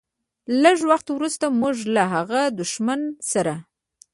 لږ وخت وروسته موږ له هغه دښمن سره.